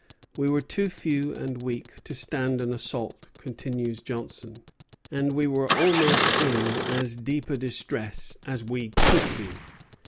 "We were too few and weak to stand an assault," continues Johnson, "and we were almost in as deep a distress as we could be."